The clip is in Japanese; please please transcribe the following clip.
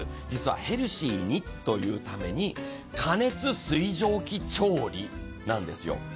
実はヘルシーにというために、過熱水蒸気調理なんですよ。